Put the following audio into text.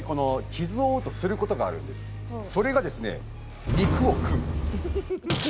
それがですね